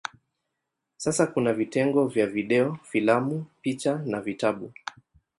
Sasa kuna vitengo vya video, filamu, picha na vitabu.